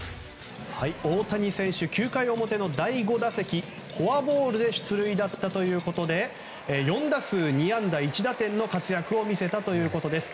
大谷選手９回表の第５打席フォアボールで出塁だったということで４打数２安打１打点の活躍を見せたということです。